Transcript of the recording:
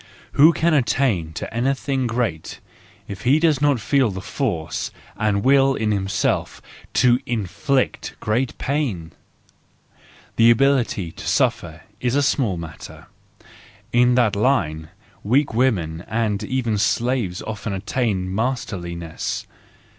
—Who can attain to anything great if he does not feel the force and will in himself to inflict great pain? The ability to suffer is a small matter: in that line, weak women and even slaves often attain masterliness.